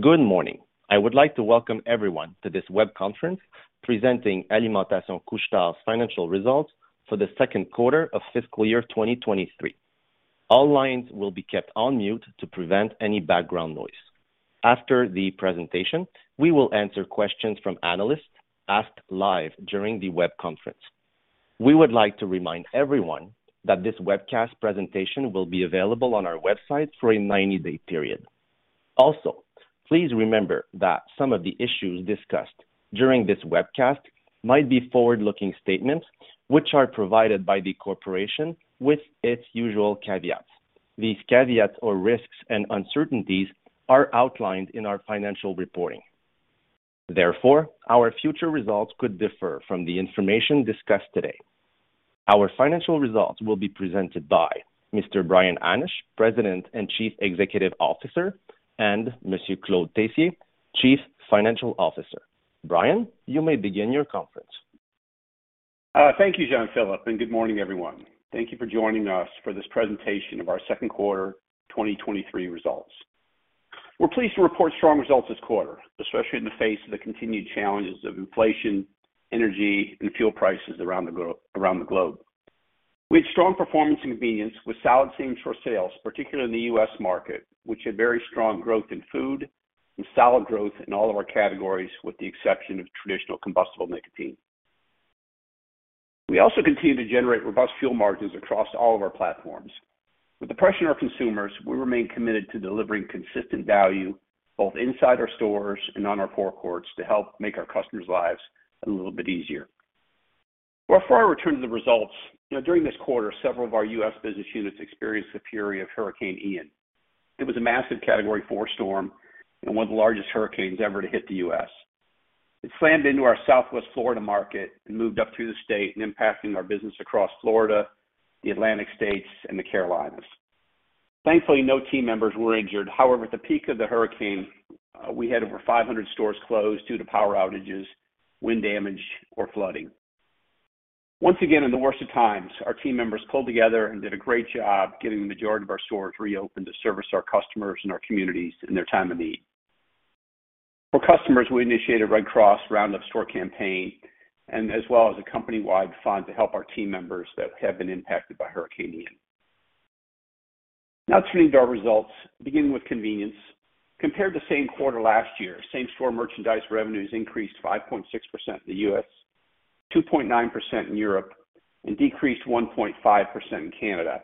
Good morning. I would like to welcome everyone to this web conference presenting Alimentation Couche-Tard's financial results for the second quarter of fiscal year 2023. All lines will be kept on mute to prevent any background noise. After the presentation, we will answer questions from analysts asked live during the web conference. We would like to remind everyone that this webcast presentation will be available on our website for a 90-day period. Please remember that some of the issues discussed during this webcast might be forward-looking statements which are provided by the Corporation with its usual caveats. These caveats or risks and uncertainties are outlined in our financial reporting. Our future results could differ from the information discussed today. Our financial results will be presented by Mr. Brian Hannasch, President and Chief Executive Officer, and Monsieur Claude Tessier, Chief Financial Officer. Brian, you may begin your conference. Thank you, Jean-Philippe. Good morning, everyone. Thank you for joining us for this presentation of our second quarter 2023 results. We're pleased to report strong results this quarter, especially in the face of the continued challenges of inflation, energy and fuel prices around the globe. We had strong performance in convenience with solid same-store sales, particularly in the U.S. market, which had very strong growth in food and solid growth in all of our categories with the exception of traditional combustible nicotine. We also continue to generate robust fuel margins across all of our platforms. With the pressure on consumers, we remain committed to delivering consistent value both inside our stores and on our forecourts to help make our customers' lives a little bit easier. Before I return to the results, you know, during this quarter, several of our U.S. business units experienced the fury of Hurricane Ian. It was a massive Category four storm and one of the largest hurricanes ever to hit the U.S. It slammed into our Southwest Florida market and moved up through the state, impacting our business across Florida, the Atlantic States, and the Carolinas. Thankfully, no team members were injured. However, at the peak of the hurricane, we had over 500 stores closed due to power outages, wind damage, or flooding. Once again, in the worst of times, our team members pulled together and did a great job getting the majority of our stores reopened to service our customers and our communities in their time of need. For customers, we initiated Red Cross Roundups store campaign and as well as a company-wide fund to help our team members that have been impacted by Hurricane Ian. Turning to our results, beginning with convenience. Compared to same quarter last year, same-store merchandise revenues increased 5.6% in the U.S., 2.9% in Europe, and decreased 1.5% in Canada.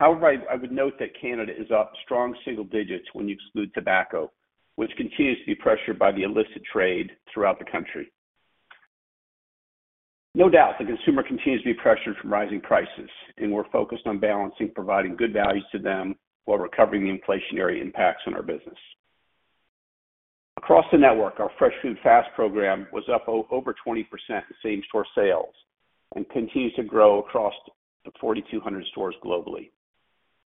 I would note that Canada is up strong single digits when you exclude tobacco, which continues to be pressured by the illicit trade throughout the country. The consumer continues to be pressured from rising prices, and we're focused on balancing providing good value to them while recovering the inflationary impacts on our business. Across the network, our Fresh Food, Fast program was up over 20% in same-store sales and continues to grow across the 4,200 stores globally.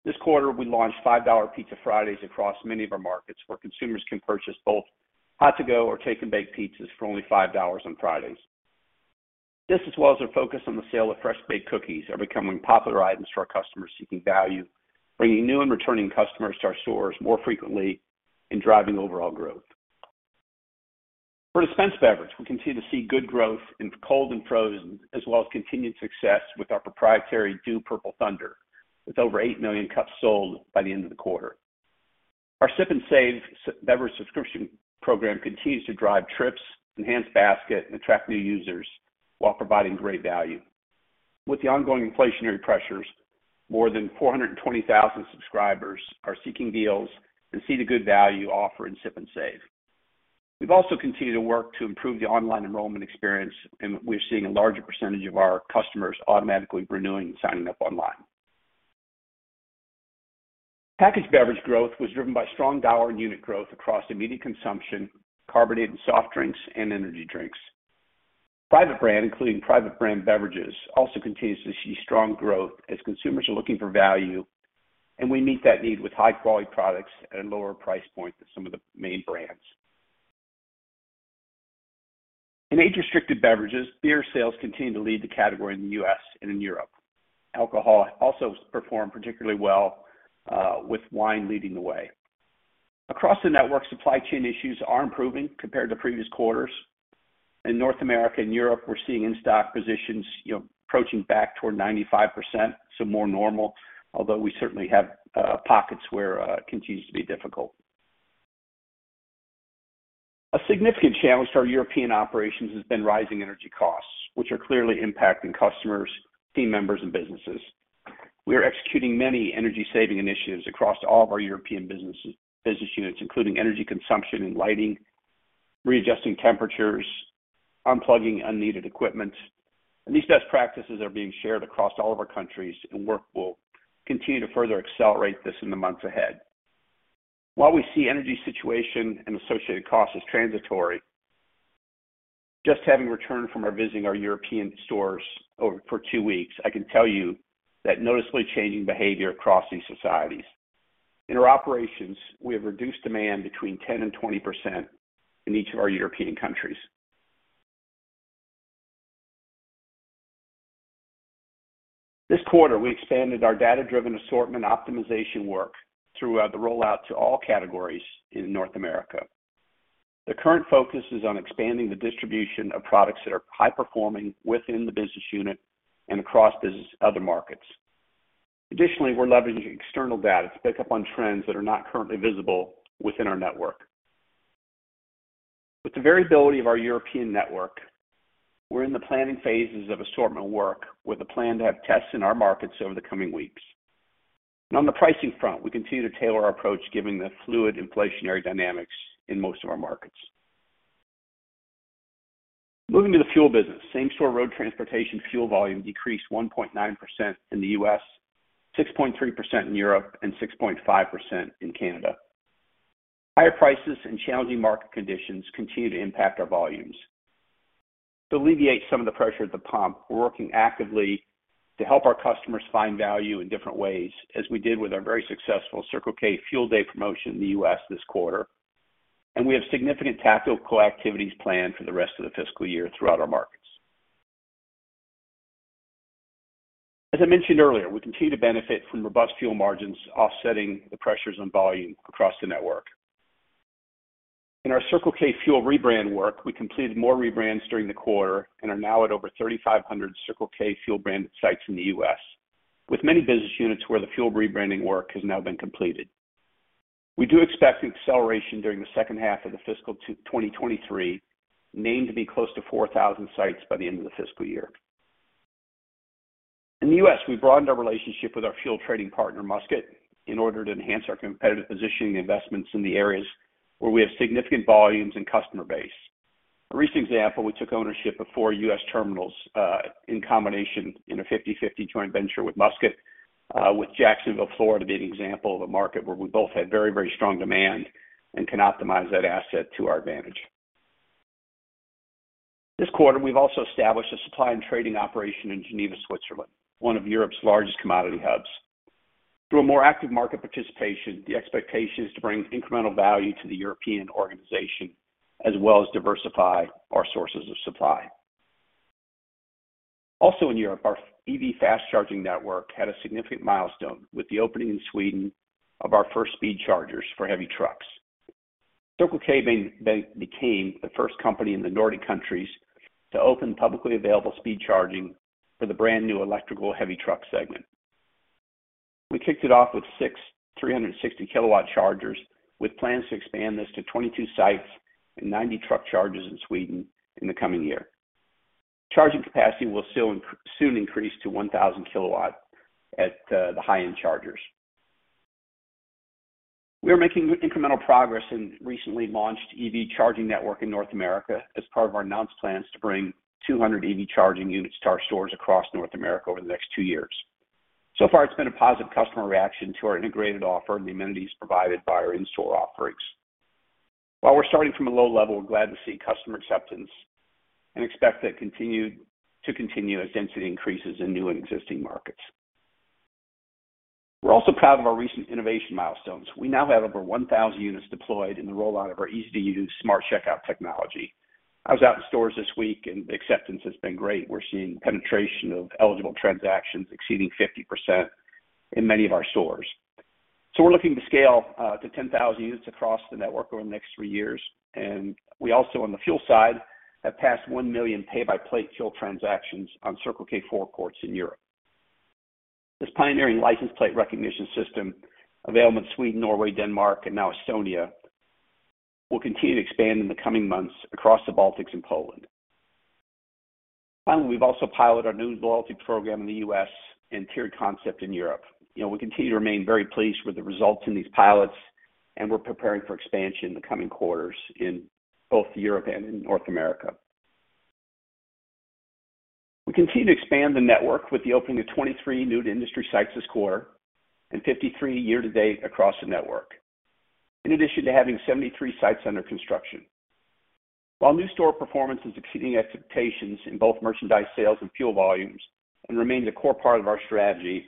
This quarter, we launched $5 Pizza Fridays across many of our markets, where consumers can purchase both hot to go or take and bake pizzas for only $5 on Fridays. This, as well as our focus on the sale of fresh-baked cookies, are becoming popular items for our customers seeking value, bringing new and returning customers to our stores more frequently and driving overall growth. For dispense beverage, we continue to see good growth in cold and frozen, as well as continued success with our proprietary Dew Purple Thunder, with over 8 million cups sold by the end of the quarter. Our Sip and Save beverage subscription program continues to drive trips, enhance basket, and attract new users while providing great value. With the ongoing inflationary pressures, more than 420,000 subscribers are seeking deals and see the good value offer in Sip and Save. We've also continued to work to improve the online enrollment experience. We're seeing a larger percentage of our customers automatically renewing and signing up online. Packaged beverage growth was driven by strong dollar and unit growth across immediate consumption, carbonated soft drinks, and energy drinks. Private brand, including private brand beverages, also continues to see strong growth as consumers are looking for value. We meet that need with high-quality products at a lower price point than some of the main brands. In age-restricted beverages, beer sales continue to lead the category in the U.S. and in Europe. Alcohol also performed particularly well, with wine leading the way. Across the network, supply chain issues are improving compared to previous quarters. In North America and Europe, we're seeing in-stock positions, you know, approaching back toward 95%, so more normal, although we certainly have pockets where it continues to be difficult. A significant challenge to our European operations has been rising energy costs, which are clearly impacting customers, team members, and businesses. We are executing many energy-saving initiatives across all of our European business units, including energy consumption and lighting, readjusting temperatures, unplugging unneeded equipment. These best practices are being shared across all of our countries, and work will continue to further accelerate this in the months ahead. While we see energy situation and associated costs as transitory, just having returned from our visiting our European stores for two weeks, I can tell you that noticeably changing behavior across these societies. In our operations, we have reduced demand between 10% and 20% in each of our European countries. This quarter, we expanded our data-driven assortment optimization work throughout the rollout to all categories in North America. The current focus is on expanding the distribution of products that are high-performing within the business unit and across business other markets. Additionally, we're leveraging external data to pick up on trends that are not currently visible within our network. With the variability of our European network, we're in the planning phases of assortment work with a plan to have tests in our markets over the coming weeks. On the pricing front, we continue to tailor our approach, giving the fluid inflationary dynamics in most of our markets. Moving to the fuel business, same-store road transportation fuel volume decreased 1.9% in the U.S., 6.3% in Europe and 6.5% in Canada. Higher prices and challenging market conditions continue to impact our volumes. To alleviate some of the pressure at the pump, we're working actively to help our customers find value in different ways, as we did with our very successful Circle K Fuel Day promotion in the U.S. this quarter. We have significant tactical co-activities planned for the rest of the fiscal year throughout our markets. As I mentioned earlier, we continue to benefit from robust fuel margins, offsetting the pressures on volume across the network. In our Circle K Fuel rebrand work, we completed more rebrands during the quarter and are now at over 3,500 Circle K fuel branded sites in the U.S., with many business units where the fuel rebranding work has now been completed. We do expect acceleration during the second half of the fiscal 2023, named to be close to 4,000 sites by the end of the fiscal year. In the U.S., we broadened our relationship with our fuel trading partner, Musket, in order to enhance our competitive positioning investments in the areas where we have significant volumes and customer base. A recent example, we took ownership of four U.S. terminals, in combination in a 50/50 joint venture with Musket, with Jacksonville, Florida, being an example of a market where we both had very, very strong demand and can optimize that asset to our advantage. This quarter, we've also established a supply and trading operation in Geneva, Switzerland, one of Europe's largest commodity hubs. Through a more active market participation, the expectation is to bring incremental value to the European organization as well as diversify our sources of supply. Also in Europe, our EV fast charging network had a significant milestone with the opening in Sweden of our first speed chargers for heavy trucks. Circle K became the first company in the Nordic countries to open publicly available speed charging for the brand new electrical heavy truck segment. We kicked it off with 6 360 KW chargers, with plans to expand this to 22 sites and 90 truck chargers in Sweden in the coming year. Charging capacity will soon increase to 1,000 kilowatt at the high-end chargers. We are making incremental progress in recently launched EV charging network in North America as part of our announced plans to bring 200 EV charging units to our stores across North America over the next two years. So far, it's been a positive customer reaction to our integrated offer and the amenities provided by our in-store offerings. While we're starting from a low level, we're glad to see customer acceptance and expect that to continue as density increases in new and existing markets. We're also proud of our recent innovation milestones. We now have over 1,000 units deployed in the rollout of our easy-to-use Smart Checkout technology. I was out in stores this week and acceptance has been great. We're seeing penetration of eligible transactions exceeding 50% in many of our stores. We're looking to scale to 10,000 units across the network over the next three years. We also, on the fuel side, have passed 1 million Pay by Plate fuel transactions on Circle K forecourts in Europe. This pioneering license plate recognition system available in Sweden, Norway, Denmark and now Estonia, will continue to expand in the coming months across the Baltics and Poland. Finally, we've also piloted our new loyalty program in the U.S. and tiered concept in Europe. You know, we continue to remain very pleased with the results in these pilots, and we're preparing for expansion in the coming quarters in both Europe and in North America. We continue to expand the network with the opening of 23 new industry sites this quarter and 53 year-to-date across the network. In addition to having 73 sites under construction. While new store performance is exceeding expectations in both merchandise sales and fuel volumes and remains a core part of our strategy,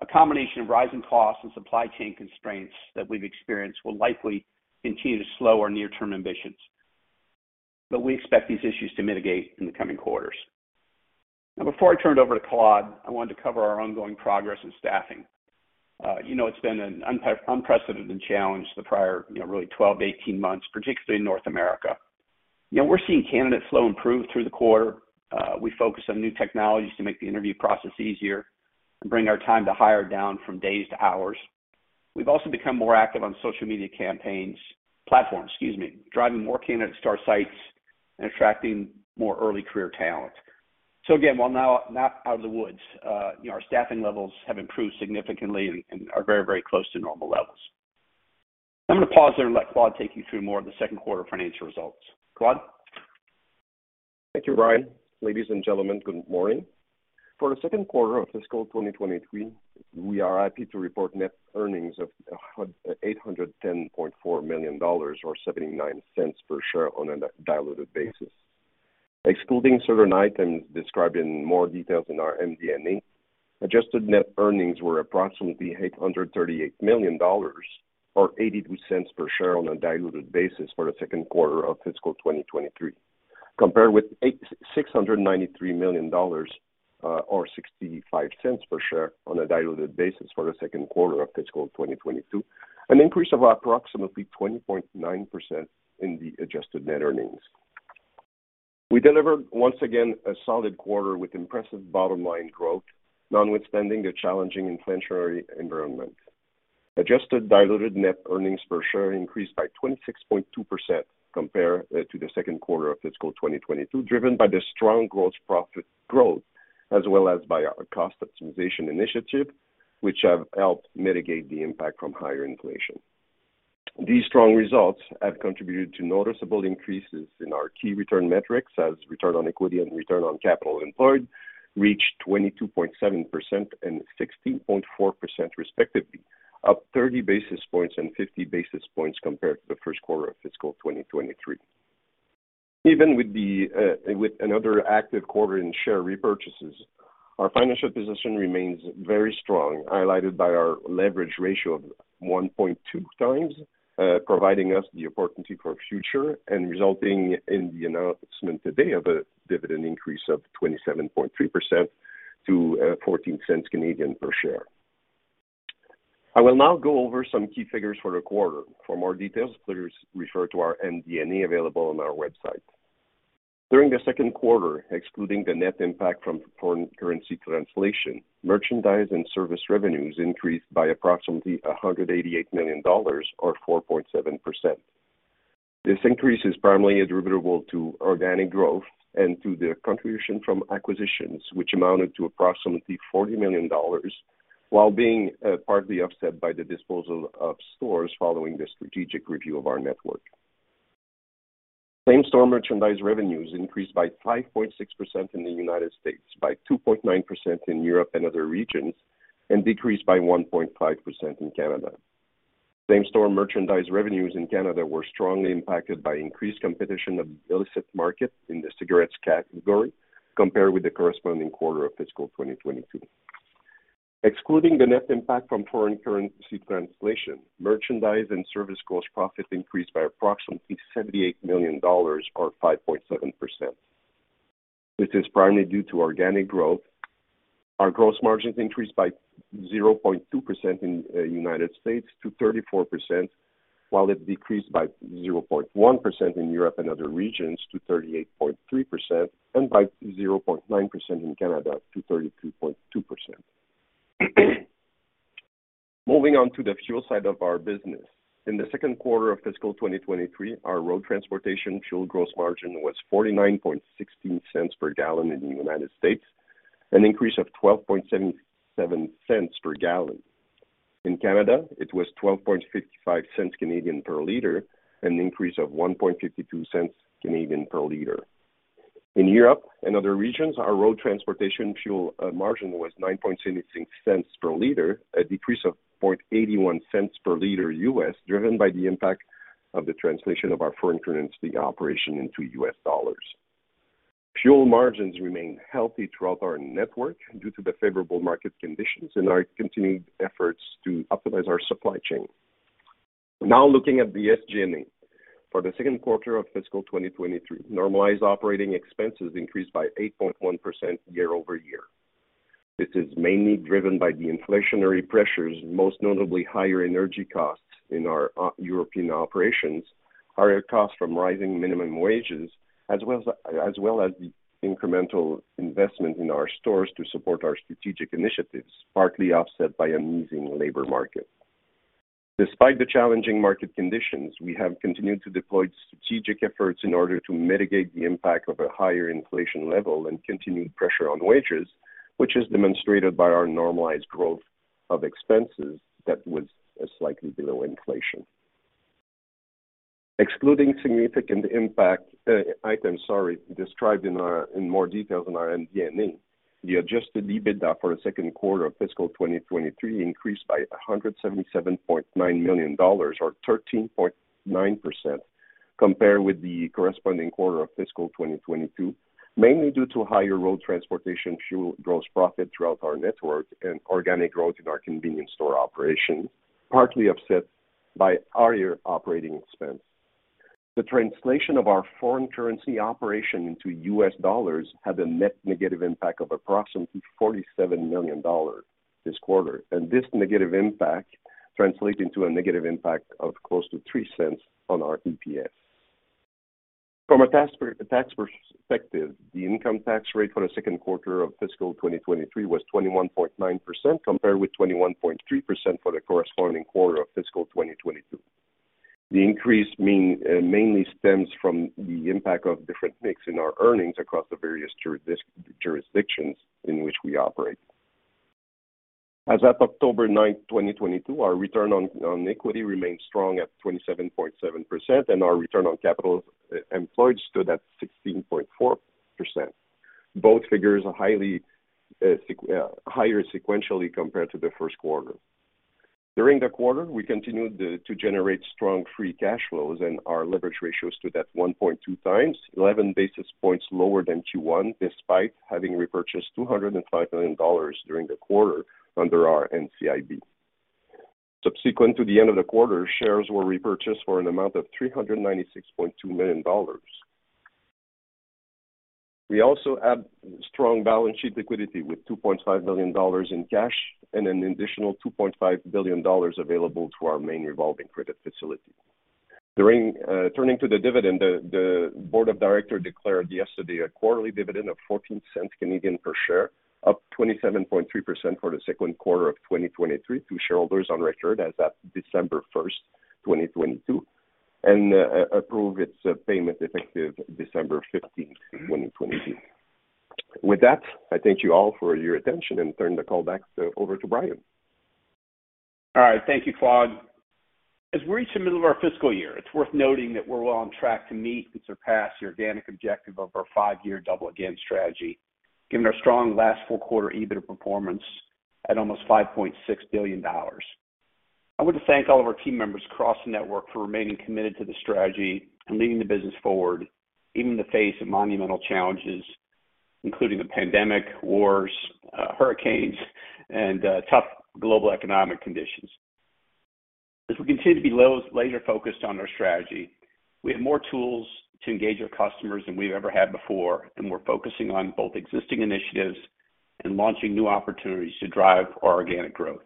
a combination of rising costs and supply chain constraints that we've experienced will likely continue to slow our near-term ambitions. We expect these issues to mitigate in the coming quarters. Now, before I turn it over to Claude, I wanted to cover our ongoing progress in staffing. You know, it's been an unprecedented challenge the prior, you know, really 12 to 18 months, particularly in North America. You know, we're seeing candidate flow improve through the quarter. We focus on new technologies to make the interview process easier and bring our time to hire down from days to hours. We've also become more active on social media platforms, excuse me, driving more candidates to our sites and attracting more early career talent. Again, while not out of the woods, you know, our staffing levels have improved significantly and are very close to normal levels. I'm gonna pause there and let Claude take you through more of the second quarter financial results. Claude? Thank you, Brian. Ladies and gentlemen, good morning. For the second quarter of fiscal 2023, we are happy to report net earnings of $810.4 million or $0.79 per share on a diluted basis. Excluding certain items described in more details in our MD&A, adjusted net earnings were approximately $838 million or $0.82 per share on a diluted basis for the second quarter of fiscal 2023. Compared with $693 million or $0.65 per share on a diluted basis for the second quarter of fiscal 2022, an increase of approximately 20.9% in the adjusted net earnings. We delivered once again a solid quarter with impressive bottom line growth, notwithstanding the challenging inflationary environment. Adjusted diluted net earnings per share increased by 26.2% compared to the second quarter of fiscal 2022, driven by the strong gross profit growth as well as by our cost optimization initiative, which have helped mitigate the impact from higher inflation. These strong results have contributed to noticeable increases in our key return metrics as Return on Equity and Return on Capital Employed reached 22.7% and 16.4% respectively, up 30 basis points and 50 basis points compared to the first quarter of fiscal 2023. Even with the with another active quarter in share repurchases, our financial position remains very strong, highlighted by our leverage ratio of 1.2x, providing us the opportunity for future and resulting in the announcement today of a dividend increase of 27.3% to 0.14 per share. I will now go over some key figures for the quarter. For more details, please refer to our MD&A available on our website. During the second quarter, excluding the net impact from foreign currency translation, merchandise and service revenues increased by approximately $188 million or 4.7%. This increase is primarily attributable to organic growth and to the contribution from acquisitions, which amounted to approximately $40 million while being partly offset by the disposal of stores following the strategic review of our network. Same-store merchandise revenues increased by 5.6% in the United States, by 2.9% in Europe and other regions, and decreased by 1.5% in Canada. Same-store merchandise revenues in Canada were strongly impacted by increased competition of illicit market in the cigarettes category compared with the corresponding quarter of fiscal 2022. Excluding the net impact from foreign currency translation, merchandise and service gross profit increased by approximately $78 million or 5.7%, which is primarily due to organic growth. Our gross margins increased by 0.2% in United States to 34%, while it decreased by 0.1% in Europe and other regions to 38.3% and by 0.9% in Canada to 32.2%. Moving on to the fuel side of our business. In the second quarter of fiscal 2023, our road transportation fuel gross margin was $0.4916 per gallon in the United States, an increase of $0.1277 per gallon. In Canada, it was 0.1255 per liter, an increase of 0.0152 per liter. In Europe and other regions, our road transportation fuel margin was $0.0976 per liter, a decrease of $0.0081 per liter, driven by the impact of the translation of our foreign currency operation into U.S. Dollars. Fuel margins remain healthy throughout our network due to the favorable market conditions and our continued efforts to optimize our supply chain. Looking at the SG&A. For the second quarter of fiscal 2023, normalized operating expenses increased by 8.1% year-over-year. This is mainly driven by the inflationary pressures, most notably higher energy costs in our European operations, higher costs from rising minimum wages, as well as the incremental investment in our stores to support our strategic initiatives, partly offset by an easing labor market. Despite the challenging market conditions, we have continued to deploy strategic efforts in order to mitigate the impact of a higher inflation level and continued pressure on wages, which is demonstrated by our normalized growth of expenses that was slightly below inflation. Excluding significant impact items, sorry, described in more detail in our MD&A, the adjusted EBITDA for the second quarter of fiscal 2023 increased by $177.9 million or 13.9% compared with the corresponding quarter of fiscal 2022, mainly due to higher road transportation fuel gross profit throughout our network and organic growth in our convenience store operations, partly offset by higher operating expense. The translation of our foreign currency operation into US dollars had a net negative impact of approximately $47 million this quarter. This negative impact translates into a negative impact of close to $0.03 on our EPS. From a tax perspective, the income tax rate for the second quarter of fiscal 2023 was 21.9%, compared with 21.3% for the corresponding quarter of fiscal 2022. The increase mainly stems from the impact of different mix in our earnings across the various jurisdictions in which we operate. As at 9th October, 2022, our Return on Equity remains strong at 27.7%, and our Return on Capital Employed stood at 16.4%. Both figures are highly higher sequentially compared to the first quarter. During the quarter, we continued to generate strong free cash flows and our Leverage Ratio stood at 1.2 times, 11 basis points lower than Q1, despite having repurchased $205 million during the quarter under our NCIB. Subsequent to the end of the quarter, shares were repurchased for an amount of $396.2 million. We also had strong balance sheet liquidity with $2.5 million in cash and an additional $2.5 billion available through our main revolving credit facility. Turning to the dividend, the board of directors declared yesterday a quarterly dividend of 0.14 per share, up 27.3% for the second quarter of 2023 to shareholders on record as at 1st December, 2022, and approve its payment effective December 15, 2022. With that, I thank you all for your attention and turn the call over to Brian. All right. Thank you, Claude. As we reach the middle of our fiscal year, it's worth noting that we're well on track to meet and surpass the organic objective of our five-year Double Again strategy, given our strong last full quarter EBITA performance at almost $5.6 billion. I want to thank all of our team members across the network for remaining committed to the strategy and leading the business forward even in the face of monumental challenges, including the pandemic, wars, hurricanes and tough global economic conditions. As we continue to be laser-focused on our strategy, we have more tools to engage our customers than we've ever had before, and we're focusing on both existing initiatives and launching new opportunities to drive our organic growth.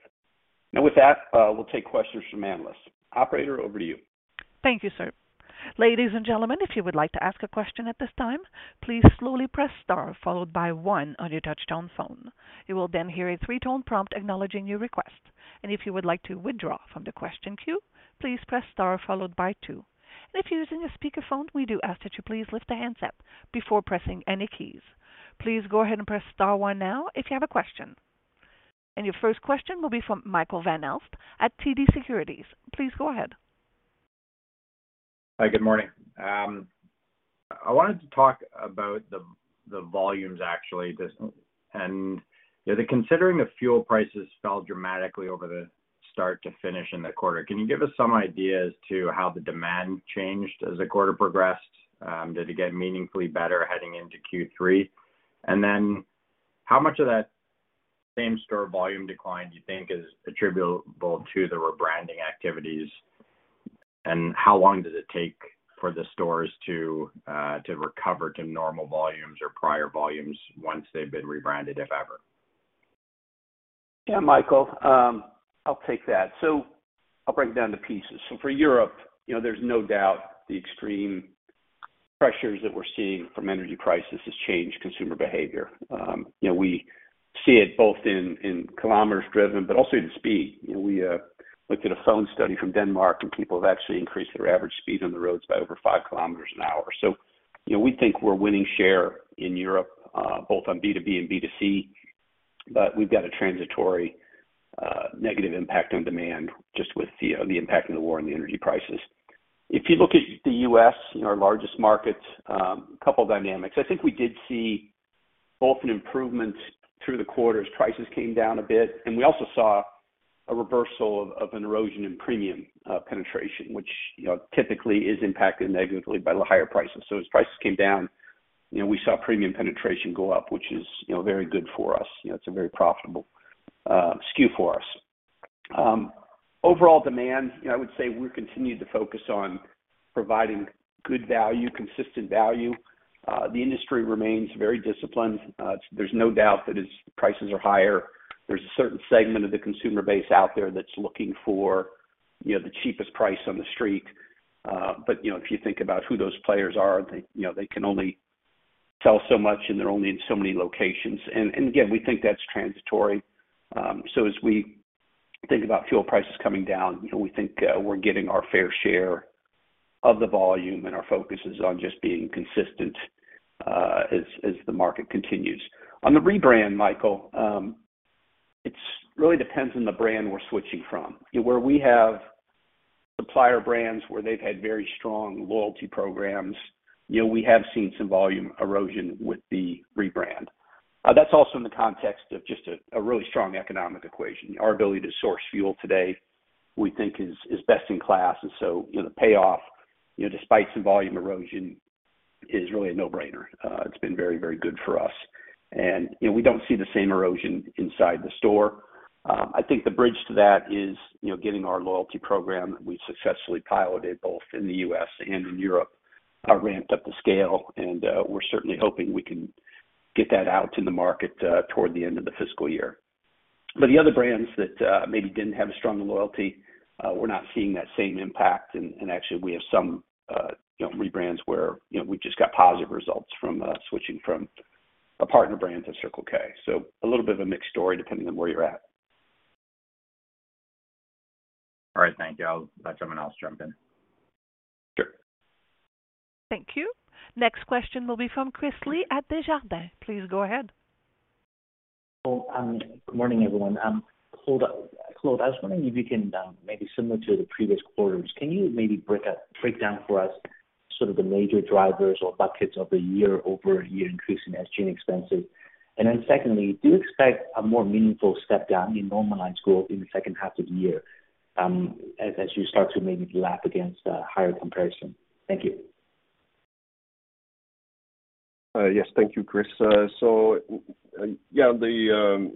With that, we'll take questions from analysts. Operator, over to you. Thank you, sir. Ladies and gentlemen, if you would like to ask a question at this time, please slowly press star followed by one on your touchtone phone. You will then hear a three tone prompt acknowledging your request. If you would like to withdraw from the question queue, please press star followed by two. If you're using a speakerphone, we do ask that you please lift the handset before pressing any keys. Please go ahead and press star one now if you have a question. Your first question will be from Michael Van Aelst at TD Securities. Please go ahead. Hi, good morning. I wanted to talk about the volumes actually this. You know, considering the fuel prices fell dramatically over the start to finish in the quarter, can you give us some idea as to how the demand changed as the quarter progressed? Did it get meaningfully better heading into Q3? How much of that same-store volume decline do you think is attributable to the rebranding activities? How long does it take for the stores to recover to normal volumes or prior volumes once they've been rebranded, if ever? Yeah, Michael, I'll take that. I'll break it down to two pieces. For Europe, you know, there's no doubt the extreme pressures that we're seeing from energy crisis has changed consumer behavior. You know, we see it both in kilometers driven, but also in speed. You know, we looked at a phone study from Denmark, and people have actually increased their average speed on the roads by over 5KM an hour. You know, we think we're winning share in Europe, both on B2B and B2C, but we've got a transitory negative impact on demand just with the impact of the war and the energy prices. If you look at the U.S., you know, our largest markets, a couple dynamics. I think we did see both an improvement through the quarter as prices came down a bit, and we also saw a reversal of an erosion in premium penetration, which, you know, typically is impacted negatively by the higher prices. As prices came down, you know, we saw premium penetration go up, which is, you know, very good for us. You know, it's a very profitable SKU for us. Overall demand, you know, I would say we've continued to focus on providing good value, consistent value. The industry remains very disciplined. There's no doubt that as prices are higher, there's a certain segment of the consumer base out there that's looking for, you know, the cheapest price on the street. You know, if you think about who those players are, they, you know, they can only sell so much, and they're only in so many locations. Again, we think that's transitory. As we think about fuel prices coming down, you know, we think, we're getting our fair share of the volume, and our focus is on just being consistent, as the market continues. On the rebrand, Michael, it's really depends on the brand we're switching from. Where we have supplier brands where they've had very strong loyalty programs, you know, we have seen some volume erosion with the rebrand. That's also in the context of just a really strong economic equation. Our ability to source fuel today we think is best in class. You know, the payoff, you know, despite some volume erosion is really a no-brainer. It's been very, very good for us. You know, we don't see the same erosion inside the store. I think the bridge to that is, you know, getting our loyalty program that we've successfully piloted both in the U.S. and in Europe, ramped up the scale, and we're certainly hoping we can get that out to the market toward the end of the fiscal year. The other brands that maybe didn't have a strong loyalty, we're not seeing that same impact. Actually we have some, you know, rebrands where, you know, we've just got positive results from switching from a partner brand to Circle K. A little bit of a mixed story depending on where you're at. All right. Thank you. I'll let someone else jump in. Sure. Thank you. Next question will be from Chris Li at Desjardins. Please go ahead. Well, good morning, everyone. Claude, I was wondering if you can, maybe similar to the previous quarters, can you maybe break down for us sort of the major drivers or buckets of the year-over-year increase in SG&A expenses? Secondly, do you expect a more meaningful step down in normalized growth in the second half of the year, as you start to maybe lap against a higher comparison? Thank you. Yes. Thank you, Chris. Yeah, the.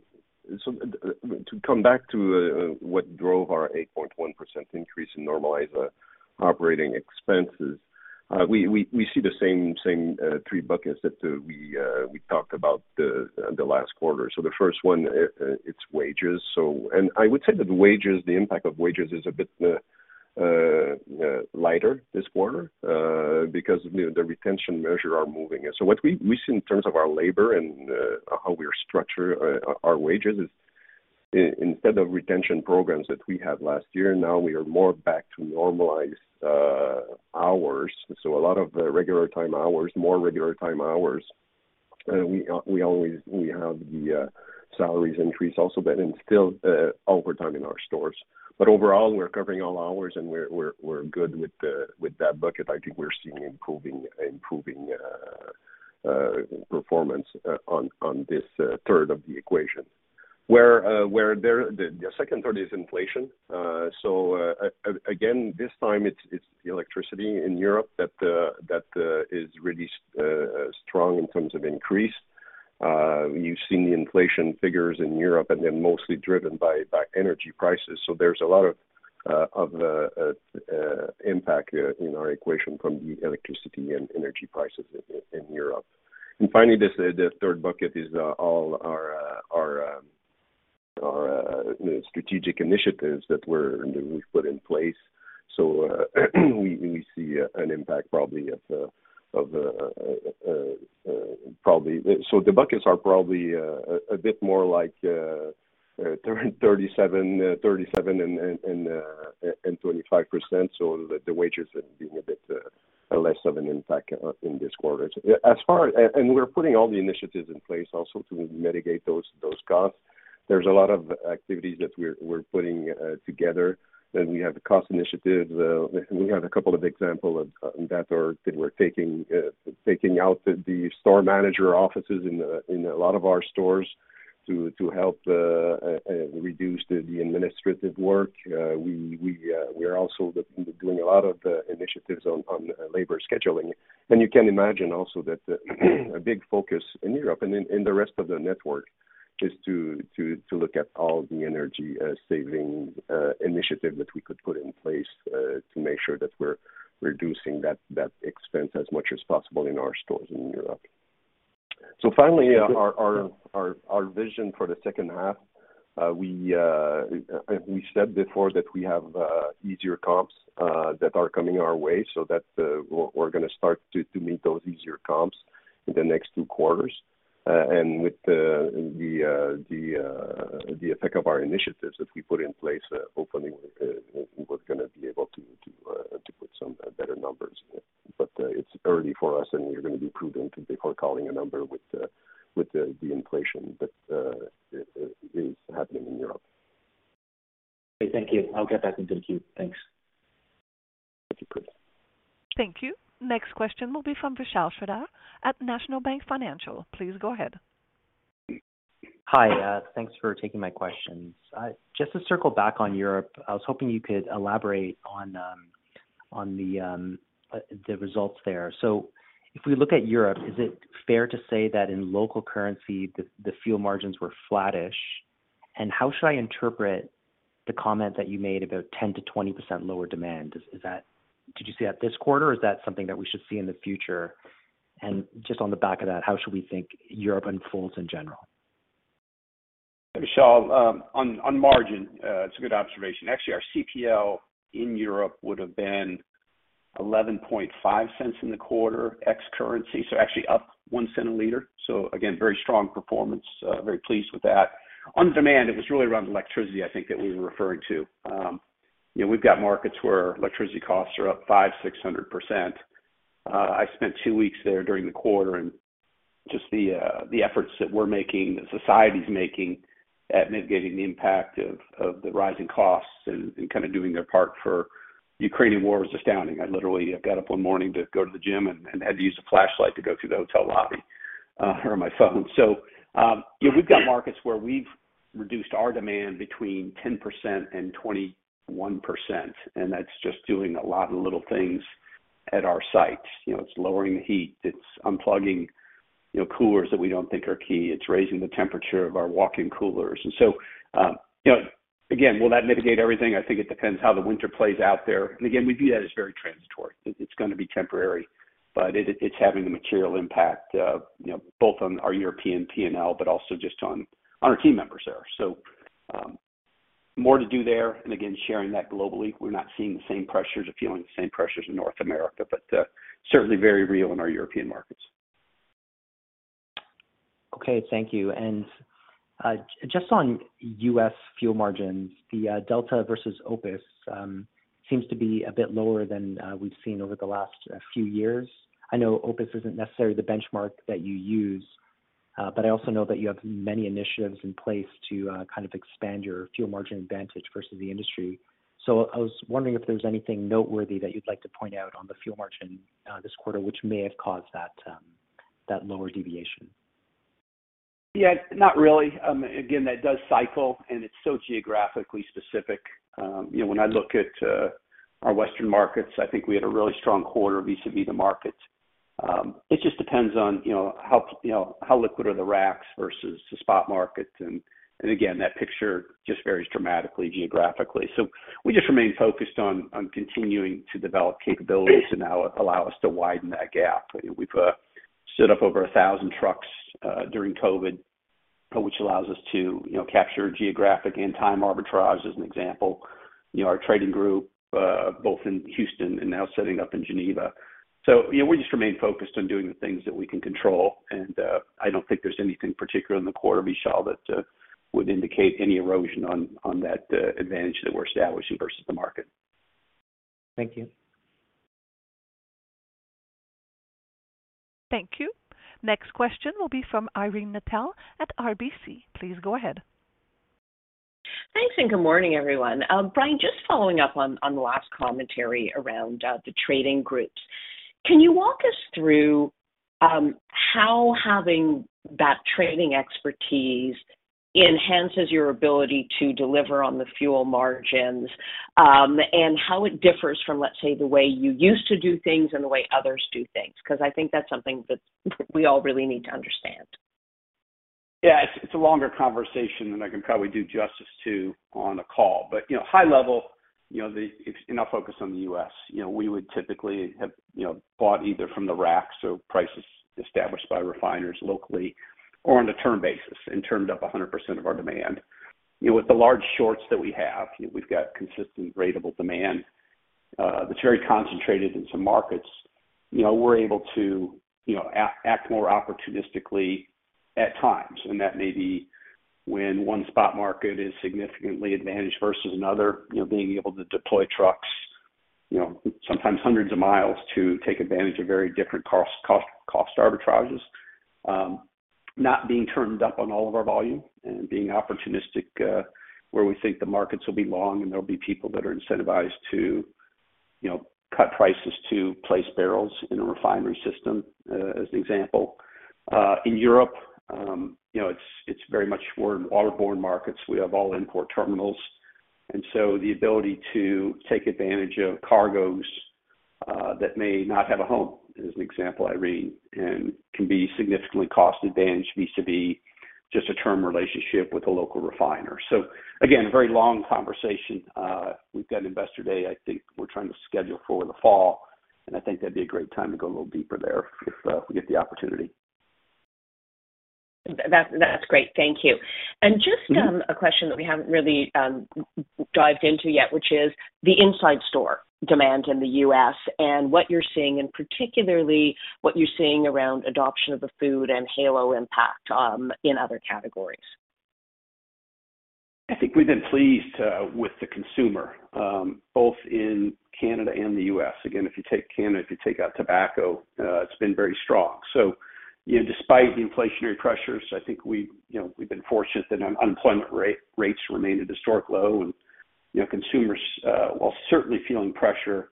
to come back to what drove our 8.1% increase in normalized operating expenses, we see the same three buckets that we talked about in the last quarter. The first one, it's wages. I would say that the wages, the impact of wages is a bit lighter this quarter, because, you know, the retention measure are moving. What we see in terms of our labor and how we are structure our wages is instead of retention programs that we had last year, now we are more back to normalized hours. A lot of regular time hours, more regular time hours. We always have the salaries increase also, but it's still overtime in our stores. Overall, we're covering all hours, and we're good with the, with that bucket. I think we're seeing improving performance on this third of the equation. The second third is inflation. Again, this time it's electricity in Europe that is really strong in terms of increase. You've seen the inflation figures in Europe, they're mostly driven by energy prices. There's a lot of impact in our equation from the electricity and energy prices in Europe. Finally, the third bucket is all our strategic initiatives that we've put in place. The buckets are probably a bit more like 37 and 25%, the wages are being a bit less of an impact in this quarter. As far as. We're putting all the initiatives in place also to mitigate those costs. There's a lot of activities that we're putting together. We have the cost initiative. We have a couple of example of that are we're taking out the store manager offices in a lot of our stores to help reduce the administrative work. We are also doing a lot of the initiatives on labor scheduling. You can imagine also that a big focus in Europe and in and the rest of the network is to look at all the energy saving initiative that we could put in place to make sure that we're reducing that expense as much as possible in our stores in Europe. Finally, our vision for the second half, we said before that we have easier comps that are coming our way. That's, we're gonna start to meet those easier comps in the next two quarters. With the effect of our initiatives that we put in place, hopefully, we're gonna be able to put some better numbers. It's early for us, and we're gonna be prudent before calling a number with the inflation that is happening in Europe. Thank you. I'll get back into the queue. Thanks. Thank you, Chris. Thank you. Next question will be from Vishal Shreedhar at National Bank Financial. Please go ahead. Hi. Thanks for taking my questions. Just to circle back on Europe, I was hoping you could elaborate on on the the results there. If we look at Europe, is it fair to say that in local currency, the fuel margins were flattish? How should I interpret the comment that you made about 10%-20% lower demand? Did you say that this quarter, or is that something that we should see in the future? Just on the back of that, how should we think Europe unfolds in general? Vishal, on margin, it's a good observation. Actually, our CPL in Europe would have been $0.115 in the quarter, ex-currency, so actually up $0.01 a liter. Again, very strong performance, very pleased with that. On demand, it was really around electricity, I think, that we were referring to. You know, we've got markets where electricity costs are up 500%-600%. I spent two weeks there during the quarter, and just the efforts that we're making, the society's making at mitigating the impact of the rising costs and kind of doing their part for Ukrainian War is astounding. I literally got up one morning to go to the gym and had to use a flashlight to go through the hotel lobby or my phone. Yeah, we've got markets where we've reduced our demand between 10% and 21%, and that's just doing a lot of little things at our sites. You know, it's lowering the heat, it's unplugging, you know, coolers that we don't think are key. It's raising the temperature of our walk-in coolers. You know, again, will that mitigate everything? I think it depends how the winter plays out there. Again, we view that as very transitory. It's gonna be temporary, but it's having the material impact, you know, both on our European P&L, but also just on our team members there. More to do there, and again, sharing that globally. We're not seeing the same pressures or feeling the same pressures in North America, but certainly very real in our European markets. Okay. Thank you. Just on U.S. fuel margins, the Delta versus OPIS seems to be a bit lower than we've seen over the last few years. I know OPIS isn't necessarily the benchmark that you use, but I also know that you have many initiatives in place to kind of expand your fuel margin advantage versus the industry. I was wondering if there's anything noteworthy that you'd like to point out on the fuel margin this quarter, which may have caused that lower deviation. Yeah, not really. again, that does cycle and it's so geographically specific. you know, when I look at our Western markets, I think we had a really strong quarter vis-à-vis the markets. it just depends on, you know, how, you know, how liquid are the racks versus the spot market. again, that picture just varies dramatically geographically. We just remain focused on continuing to develop capabilities to now allow us to widen that gap. We've set up over 1,000 trucks during COVID, which allows us to, you know, capture geographic and time arbitrage as an example. You know, our trading group, both in Houston and now setting up in Geneva. you know, we just remain focused on doing the things that we can control. I don't think there's anything particular in the quarter, Vishal, that would indicate any erosion on that advantage that we're establishing versus the market. Thank you. Thank you. Next question will be from Irene Nattel at RBC. Please go ahead. Thanks. Good morning, everyone. Brian, just following up on the last commentary around the trading groups. Can you walk us through how having that trading expertise enhances your ability to deliver on the fuel margins, and how it differs from, let's say, the way you used to do things and the way others do things? Because I think that's something that we all really need to understand. Yeah. It's a longer conversation than I can probably do justice to on a call. You know, high level, I'll focus on the U.S. You know, we would typically have, you know, bought either from the rack, so prices established by refiners locally or on a term basis and termed up 100% of our demand. You know, with the large shorts that we have, we've got consistent ratable demand that's very concentrated in some markets. You know, we're able to, you know, act more opportunistically at times, and that may be when one spot market is significantly advantaged versus another. You know, being able to deploy trucks, you know, sometimes hundreds of miles to take advantage of very different cost arbitrages. Not being termed up on all of our volume and being opportunistic, where we think the markets will be long and there'll be people that are incentivized to, you know, cut prices to place barrels in a refinery system, as an example. In Europe, you know, it's very much we're in waterborne markets. We have all import terminals, the ability to take advantage of cargoes that may not have a home, as an example, Irene, and can be significantly cost advantage vis-à-vis just a term relationship with a local refiner. Again, a very long conversation. We've got Investor Day I think we're trying to schedule for the fall, I think that'd be a great time to go a little deeper there if we get the opportunity. That's great. Thank you. Mm-hmm. Just a question that we haven't really dived into yet, which is the inside store demand in the U.S. and what you're seeing, and particularly what you're seeing around adoption of the food and halo impact in other categories. I think we've been pleased with the consumer, both in Canada and the US. If you take Canada, if you take out tobacco, it's been very strong. You know, despite the inflationary pressures, I think we, you know, we've been fortunate that unemployment rates remain at a historic low. You know, consumers, while certainly feeling pressure,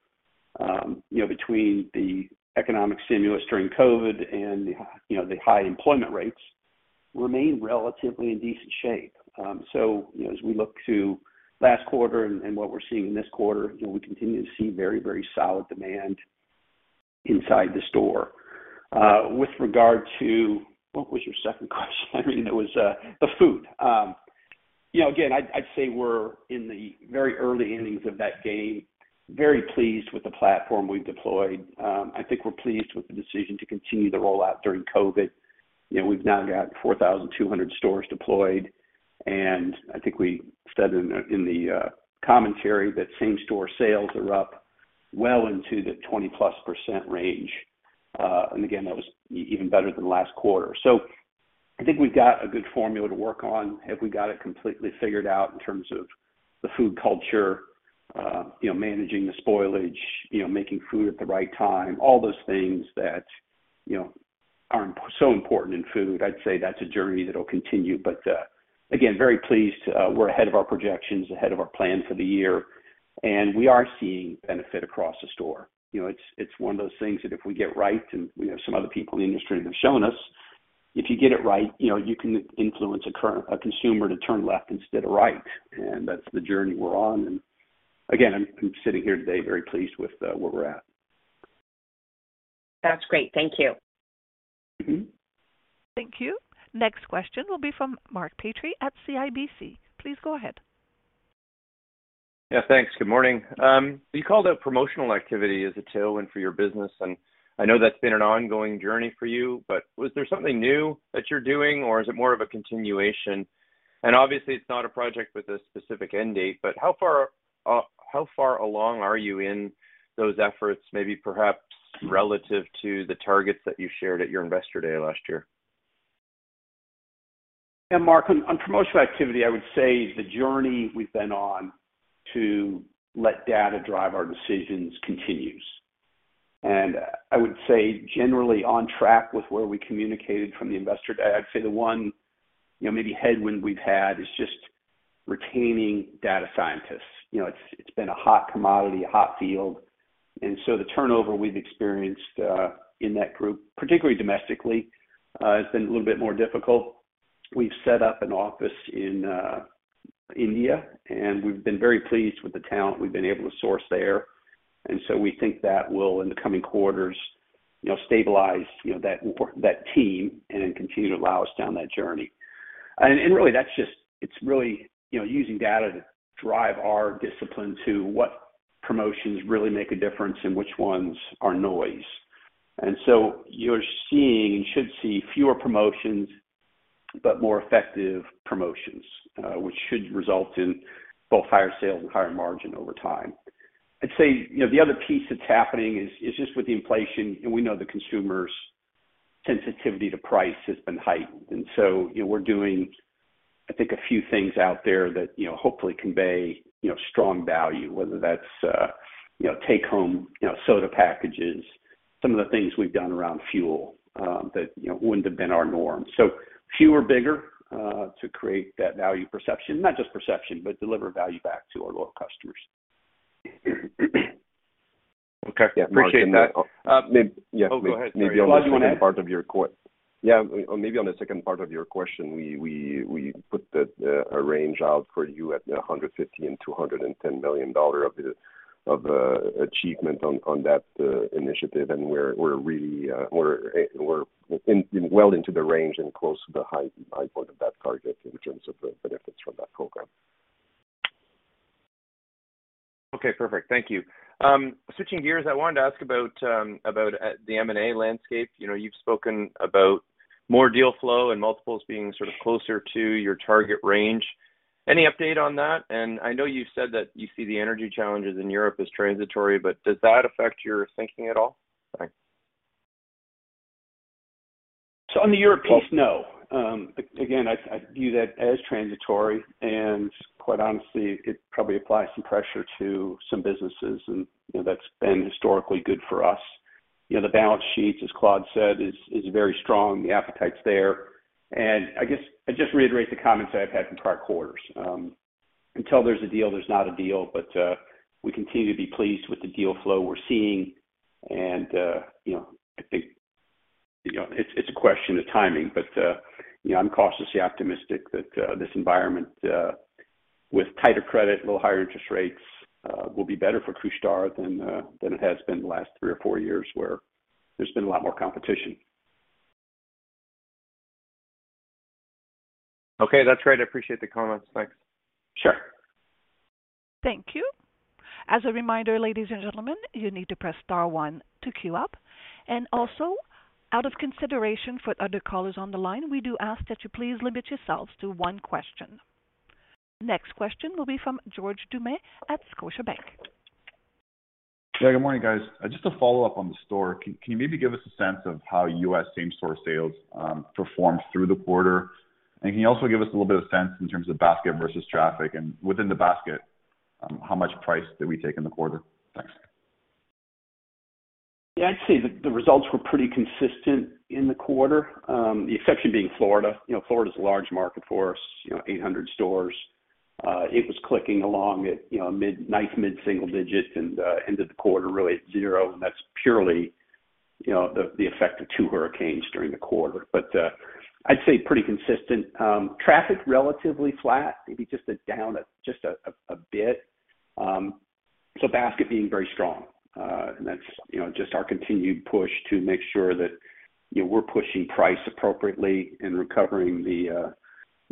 you know, between the economic stimulus during COVID and the, you know, the high employment rates remain relatively in decent shape. You know, as we look to last quarter and what we're seeing this quarter, you know, we continue to see very, very solid demand inside the store. What was your second question, Irene? It was the food. You know, again, I'd say we're in the very early innings of that game, very pleased with the platform we've deployed. I think we're pleased with the decision to continue the rollout during COVID. You know, we've now got 4,200 stores deployed, I think we said in the commentary that same store sales are up well into the 20%+ range. Again, that was even better than last quarter. I think we've got a good formula to work on. Have we got it completely figured out in terms of the food culture, you know, managing the spoilage, you know, making food at the right time, all those things that, you know, are so important in food? I'd say that's a journey that'll continue. Again, very pleased. We're ahead of our projections, ahead of our plan for the year, and we are seeing benefit across the store. You know, it's one of those things that if we get right, and we have some other people in the industry that have shown us, if you get it right, you know, you can influence a consumer to turn left instead of right. That's the journey we're on. Again, I'm sitting here today very pleased with where we're at. That's great. Thank you. Mm-hmm. Thank you. Next question will be from Mark Petrie at CIBC. Please go ahead. Yeah, thanks. Good morning. You called out promotional activity as a tailwind for your business, and I know that's been an ongoing journey for you, but was there something new that you're doing or is it more of a continuation? Obviously it's not a project with a specific end date, but how far, how far along are you in those efforts, maybe perhaps relative to the targets that you shared at your Investor Day last year? Mark, on promotional activity, I would say the journey we've been on to let data drive our decisions continues. I would say generally on track with where we communicated from the Investor Day. I'd say the one, you know, maybe headwind we've had is retaining data scientists. You know, it's been a hot commodity, a hot field. So the turnover we've experienced in that group, particularly domestically, has been a little bit more difficult. We've set up an office in India, and we've been very pleased with the talent we've been able to source there. So we think that will, in the coming quarters, you know, stabilize, you know, that team and then continue to allow us down that journey. Really that's just... It's really, you know, using data to drive our discipline to what promotions really make a difference and which ones are noise. You're seeing, and should see, fewer promotions but more effective promotions, which should result in both higher sales and higher margin over time. I'd say, you know, the other piece that's happening is just with the inflation, and we know the consumers' sensitivity to price has been heightened. We're doing, I think, a few things out there that, you know, hopefully convey, you know, strong value, whether that's, you know, take home, you know, soda packages, some of the things we've done around fuel, that, you know, wouldn't have been our norm. Fewer, bigger, to create that value perception. Not just perception, but deliver value back to our loyal customers. Okay. Appreciate that. Yeah. Maybe on the- Oh, go ahead, sorry. Yeah. Maybe on the second part of your question, we put the a range out for you at $150 million and $210 million of the achievement on that initiative. We're really we're in well into the range and close to the high point of that target in terms of the benefits from that program. Okay, perfect. Thank you. Switching gears, I wanted to ask about the M&A landscape. You know, you've spoken about more deal flow and multiples being sort of closer to your target range. Any update on that? I know you've said that you see the energy challenges in Europe as transitory, but does that affect your thinking at all? Thanks. On the Europe piece, no. Again, I view that as transitory, and quite honestly, it probably applies some pressure to some businesses and, you know, that's been historically good for us. You know, the balance sheets, as Claude said, is very strong. The appetite's there. I guess I'd just reiterate the comments that I've had from prior quarters. Until there's a deal, there's not a deal, but we continue to be pleased with the deal flow we're seeing. I think, you know, it's a question of timing, but, you know, I'm cautiously optimistic that this environment, with tighter credit, a little higher interest rates, will be better for Couche-Tard than it has been the last three or four years where there's been a lot more competition. Okay. That's great. I appreciate the comments. Thanks. Sure. Thank you. As a reminder, ladies and gentlemen, you need to press star one to queue up. Also, out of consideration for other callers on the line, we do ask that you please limit yourselves to one question. Next question will be from George Doumet at Scotiabank. Yeah, good morning, guys. Just to follow up on the store, can you maybe give us a sense of how US same store sales performed through the quarter? Can you also give us a little bit of sense in terms of basket versus traffic, and within the basket, how much price did we take in the quarter? Thanks. Yeah. I'd say the results were pretty consistent in the quarter. The exception being Florida. You know, Florida is a large market for us, you know, 800 stores. It was clicking along at, you know, nice mid-single digits and end of the quarter really at zero. That's purely, you know, the effect of two hurricanes during the quarter. I'd say pretty consistent. Traffic, relatively flat, maybe just a bit. Basket being very strong. That's, you know, just our continued push to make sure that, you know, we're pushing price appropriately and recovering the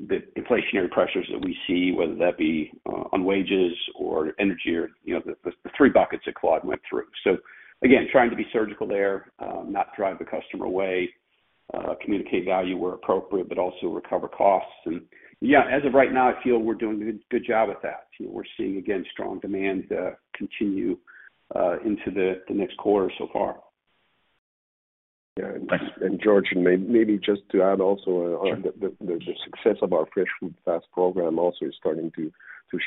inflationary pressures that we see, whether that be on wages or energy or, you know, the three buckets that Claude went through. Again, trying to be surgical there, not drive the customer away, communicate value where appropriate, but also recover costs. Yeah, as of right now, I feel we're doing a good job with that. You know, we're seeing, again, strong demand continue into the next quarter so far. Thanks. George, maybe just to add also on. Sure. The success of our Fresh Food, Fast program also is starting to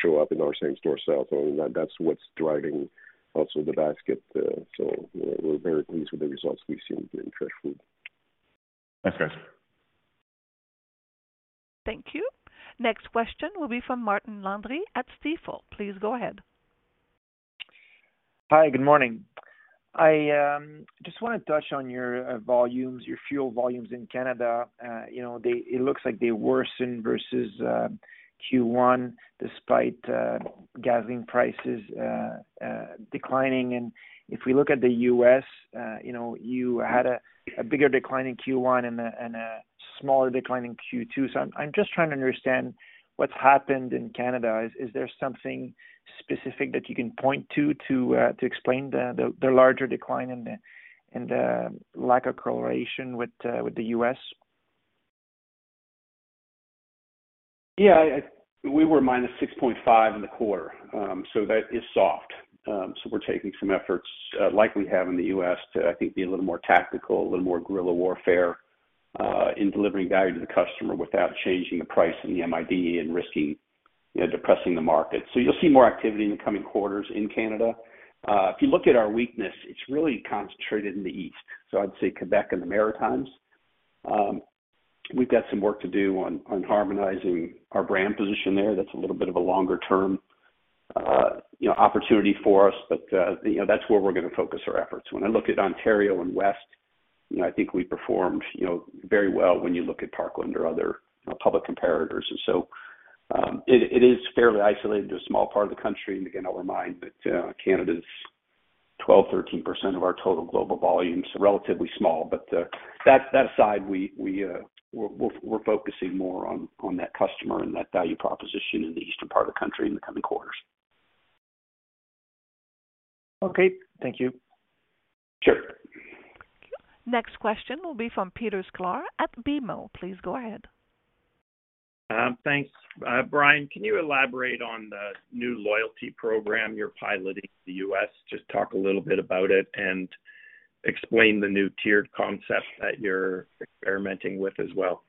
show up in our same store sales. That's what's driving also the basket. We're very pleased with the results we've seen in fresh food. Thanks, guys. Thank you. Next question will be from Martin Landry at Stifel. Please go ahead. Hi. Good morning. I just wanna touch on your volumes, your fuel volumes in Canada. You know, it looks like they worsened versus Q1 despite gasoline prices declining. If we look at the U.S., you know, you had a bigger decline in Q1 and a smaller decline in Q2. I'm just trying to understand what's happened in Canada. Is there something specific that you can point to to explain the larger decline and the lack of correlation with the U.S.? Yeah. We were -6.5 in the quarter. That is soft. We're taking some efforts, like we have in the U.S. to, I think, be a little more tactical, a little more guerrilla warfare, in delivering value to the customer without changing the price in the MID and risking, you know, depressing the market. You'll see more activity in the coming quarters in Canada. If you look at our weakness, it's really concentrated in the East, I'd say Quebec and the Maritimes. We've got some work to do on harmonizing our brand position there. That's a little bit of a longer term, you know, opportunity for us. You know, that's where we're gonna focus our efforts. When I look at Ontario and West, you know, I think we performed, you know, very well when you look at Parkland or other public comparators. It is fairly isolated to a small part of the country. Again, I'll remind that Canada's 12%, 13% of our total global volume, so relatively small. That aside, we're focusing more on that customer and that value proposition in the eastern part of the country in the coming quarters. Okay. Thank you. Sure. Next question will be from Peter Sklar at BMO. Please go ahead. Thanks. Brian, can you elaborate on the new loyalty program you're piloting in the U.S.? Just talk a little bit about it and explain the new tiered concept that you're experimenting with as well.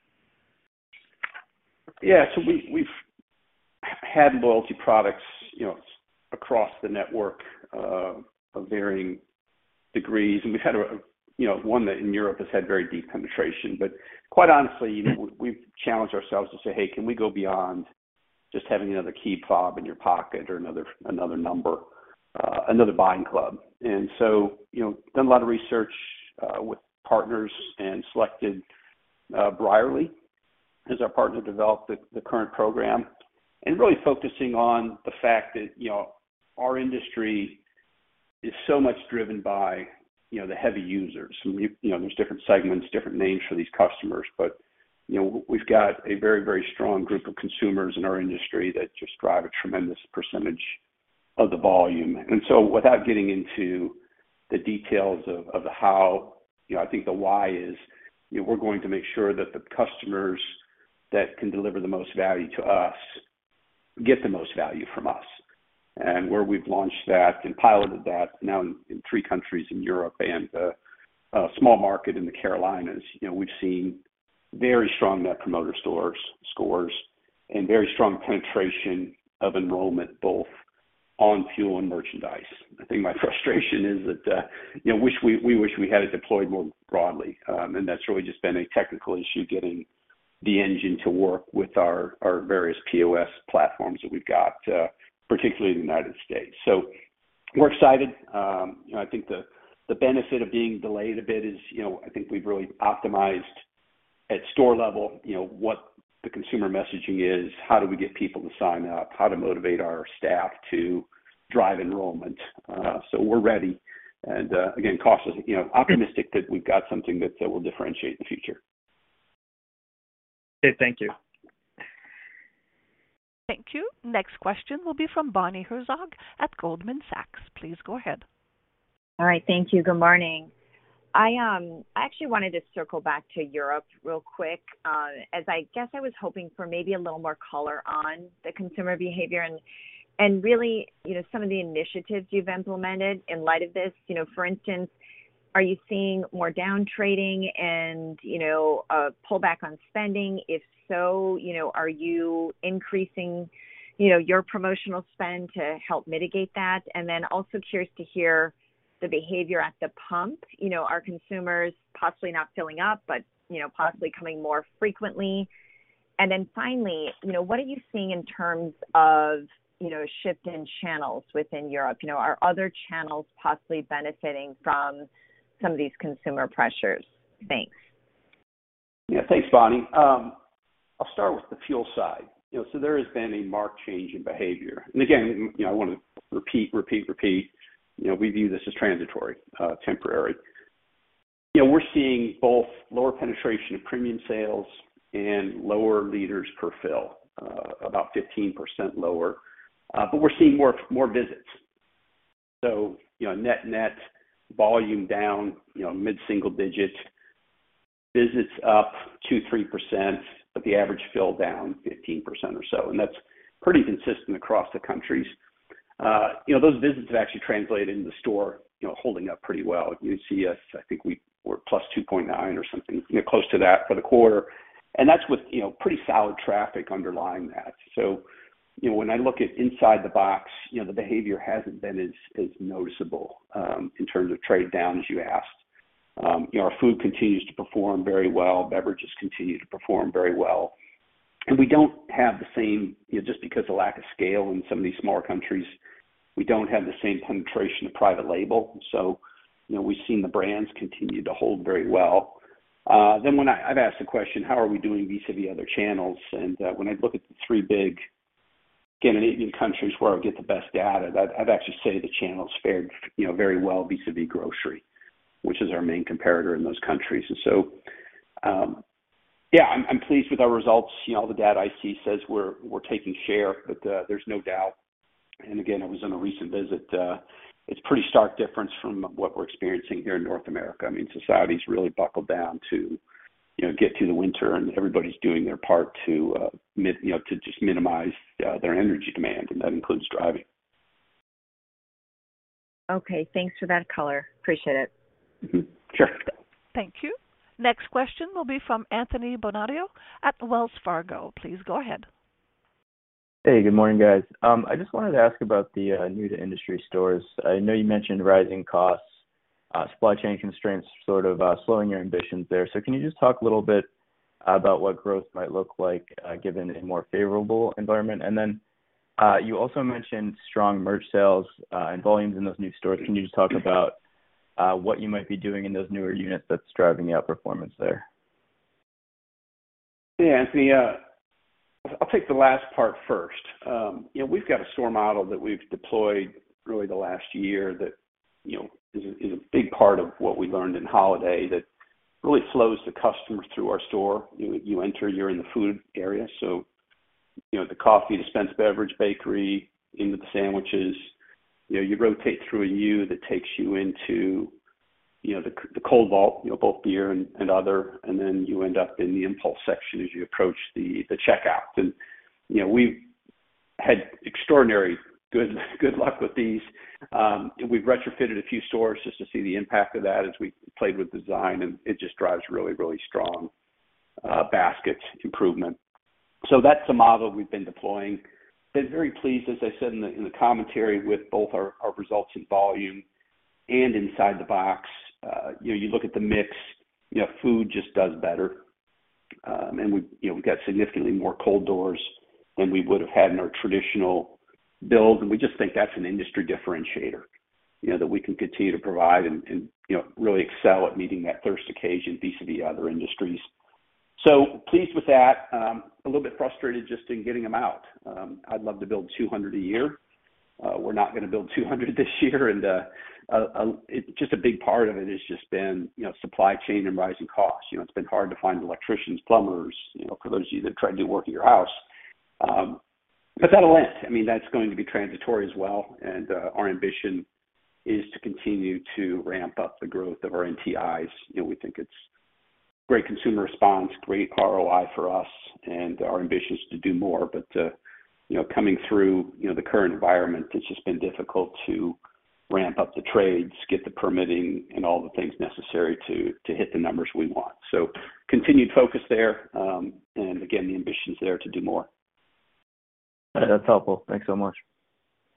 Yeah. We've had loyalty products, you know, across the network, of varying degrees, and we've had, you know, one that in Europe has had very deep penetration. Quite honestly, you know, we've challenged ourselves to say, "Hey, can we go beyond just having another key fob in your pocket or another number, another buying club?" You know, done a lot of research with partners and selected Brierley as our partner to develop the current program. Really focusing on the fact that, you know, our industry is so much driven by, you know, the heavy users. You know, there's different segments, different names for these customers, but, you know, we've got a very, very strong group of consumers in our industry that just drive a tremendous percentage of the volume. Without getting into the details of the how, you know, I think the why is, you know, we're going to make sure that the customers that can deliver the most value to us get the most value from us. Where we've launched that and piloted that now in three countries in Europe and a small market in the Carolinas, you know, we've seen very strong Net Promoter Scores and very strong penetration of enrollment, both on fuel and merchandise. I think my frustration is that, you know, we wish we had it deployed more broadly. And that's really just been a technical issue, getting the engine to work with our various POS platforms that we've got, particularly in the United States. We're excited. you know, I think the benefit of being delayed a bit is, you know, I think we've really optimized at store level, you know, what the consumer messaging is, how do we get people to sign up, how to motivate our staff to drive enrollment. We're ready. Again, cautious, you know, optimistic that we've got something that, will differentiate in the future. Okay. Thank you. Thank you. Next question will be from Bonnie Herzog at Goldman Sachs. Please go ahead. All right. Thank you. Good morning. I actually wanted to circle back to Europe real quick, as I guess I was hoping for maybe a little more color on the consumer behavior and really, you know, some of the initiatives you've implemented in light of this. You know, for instance, are you seeing more down trading and, you know, a pull back on spending? If so, you know, are you increasing, you know, your promotional spend to help mitigate that? And then also curious to hear the behavior at the pump. You know, are consumers possibly not filling up, but, you know, possibly coming more frequently? And then finally, you know, what are you seeing in terms of, you know, shift in channels within Europe? You know, are other channels possibly benefiting from some of these consumer pressures? Thanks. Yeah. Thanks, Bonnie. I'll start with the fuel side. You know, there has been a marked change in behavior. Again, you know, I wanna repeat, you know, we view this as transitory, temporary. You know, we're seeing both lower penetration of premium sales and lower liters per fill, about 15% lower. We're seeing more visits. You know, net-net volume down, you know, mid-single digit, visits up 2%, 3%, the average fill down 15% or so. That's pretty consistent across the countries. You know, those visits have actually translated into store, you know, holding up pretty well. You'd see us, I think we're +2.9 or something, you know, close to that for the quarter, and that's with, you know, pretty solid traffic underlying that. You know, when I look at inside the box, you know, the behavior hasn't been as noticeable, in terms of trade down, as you asked. You know, our food continues to perform very well. Beverages continue to perform very well. We don't have the same, you know, just because the lack of scale in some of these smaller countries, we don't have the same penetration of private label. You know, we've seen the brands continue to hold very well. When I've asked the question, how are we doing vis-à-vis other channels? When I look at the 3 big, again, in any countries where I get the best data, I'd actually say the channel's fared, you know, very well vis-à-vis grocery, which is our main comparator in those countries. Yeah, I'm pleased with our results. You know, all the data I see says we're taking share, but there's no doubt. Again, I was on a recent visit, it's pretty stark difference from what we're experiencing here in North America. I mean, society's really buckled down to, you know, get through the winter, and everybody's doing their part to, you know, to just minimize their energy demand, and that includes driving. Okay, thanks for that color. Appreciate it. Mm-hmm. Sure. Thank you. Next question will be from Anthony Bonadio at Wells Fargo. Please go ahead. Hey, good morning, guys. I just wanted to ask about the New to Industry stores. I know you mentioned rising costs, supply chain constraints sort of slowing your ambitions there. Can you just talk a little bit about what growth might look like given a more favorable environment? You also mentioned strong merch sales and volumes in those new stores. Can you just talk about what you might be doing in those newer units that's driving the outperformance there? Yeah, Anthony, I'll take the last part first. You know, we've got a store model that we've deployed really the last year that, you know, is a big part of what we learned in holiday that really flows the customer through our store. You know, you enter, you're in the food area, you know, the coffee, dispense beverage, bakery into the sandwiches. You know, you rotate through a U that takes you into, you know, the cold vault, you know, both beer and other, and then you end up in the impulse section as you approach the checkout. You know, we've had extraordinary good luck with these. We've retrofitted a few stores just to see the impact of that as we played with design, it just drives really strong basket improvement. That's the model we've been deploying. Been very pleased, as I said in the, in the commentary, with both our results in volume and inside the box. You know, you look at the mix, you know, food just does better. We, you know, we've got significantly more cold doors than we would've had in our traditional build, and we just think that's an industry differentiator, you know, that we can continue to provide and, you know, really excel at meeting that thirst occasion vis-a-vis other industries. Pleased with that. A little bit frustrated just in getting them out. I'd love to build 200 a year. We're not gonna build 200 this year and just a big part of it has just been, you know, supply chain and rising costs. You know, it's been hard to find electricians, plumbers, you know, for those of you that try to do work at your house. That'll end. I mean, that's going to be transitory as well, and our ambition is to continue to ramp up the growth of our NTIs. You know, we think it's great consumer response, great ROI for us, and our ambition is to do more. You know, coming through, you know, the current environment, it's just been difficult to ramp up the trades, get the permitting and all the things necessary to hit the numbers we want. Continued focus there. Again, the ambition is there to do more. That's helpful. Thanks so much.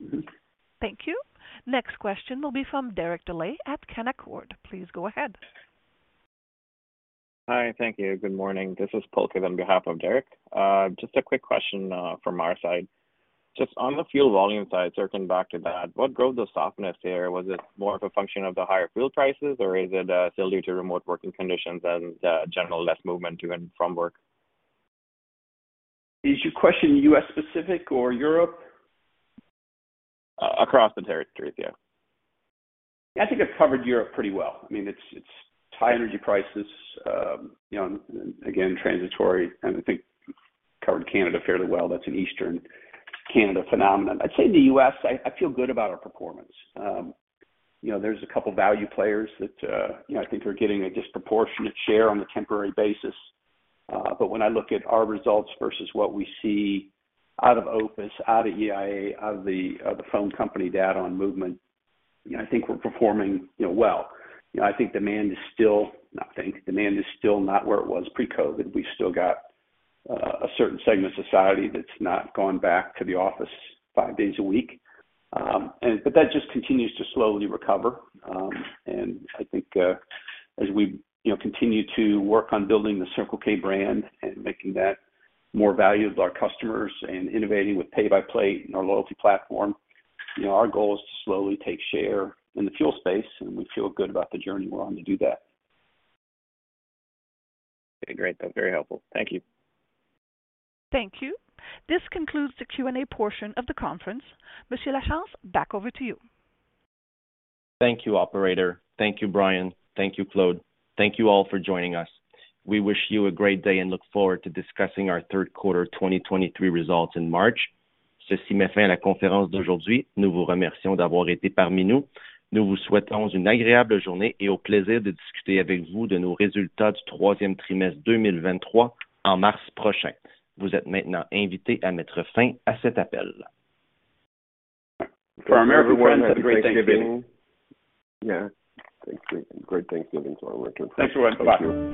Mm-hmm. Thank you. Next question will be from Derek Dley at Canaccord. Please go ahead. Hi. Thank you. Good morning. This is Pulkit on behalf of Derek. Just a quick question from our side. Just on the fuel volume side, circling back to that, what drove the softness there? Was it more of a function of the higher fuel prices, or is it still due to remote working conditions and general less movement to and from work? Is your question U.S. specific or Europe? Across the territories, yeah. I think I've covered Europe pretty well. I mean, it's high energy prices. You know, again, transitory. I think covered Canada fairly well. That's an Eastern Canada phenomenon. I'd say in the U.S., I feel good about our performance. You know, there's a couple value players that, you know, I think are getting a disproportionate share on a temporary basis. When I look at our results versus what we see out of OPIS, out of EIA, out of the phone company data on movement, you know, I think we're performing, you know, well. You know, I think demand is still not where it was pre-COVID. We've still got a certain segment of society that's not gone back to the office five days a week. That just continues to slowly recover. I think, as we, you know, continue to work on building the Circle K brand and making that more valuable to our customers and innovating with Pay by Plate and our loyalty platform, you know, our goal is to slowly take share in the fuel space, and we feel good about the journey we're on to do that. Okay, great. That's very helpful. Thank you. Thank you. This concludes the Q&A portion of the conference. Monsieur Lachance, back over to you. Thank you, operator. Thank you, Brian. Thank you, Claude. Thank you all for joining us. We wish you a great day and look forward to discussing our third quarter 2023 results in March. For our American friends, have a great Thanksgiving. Yeah. Thanks. Great Thanksgiving to all our friends. Thanks so much. Bye.